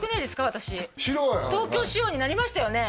私東京仕様になりましたよね？